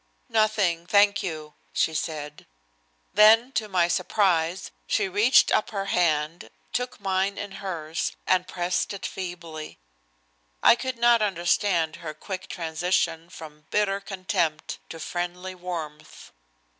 "Nothing, thank you," she said. Then to my surprise she reached up her hand, took mine in hers, and pressed it feebly. I could not understand her quick transition from bitter contempt to friendly warmth.